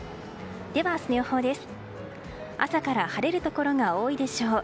では、明日の予報です。